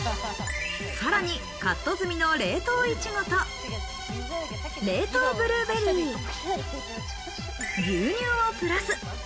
さらにカット済みの冷凍いちごと冷凍ブルーベリー、牛乳をプラス。